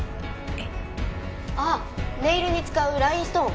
ああネイルに使うラインストーン。